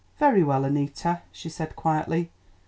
"Very well, Annita," she said quietly.